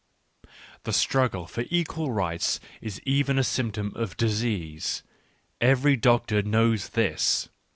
The struggle for equal rights is even a symptom of disease ; every doctor knows this.